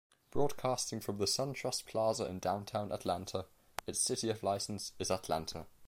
Broadcasting from the SunTrust Plaza in downtown Atlanta, its city of license is Atlanta.